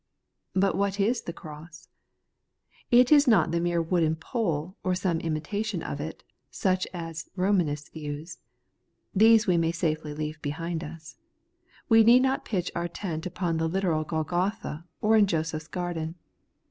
But what is the cross ? It is not the mere wooden pole, or some imitation of it, such as Ro manists use. These we may safely leave behind us. We need not pitch our tent upon the literal Golgotha, or in Joseph's garden.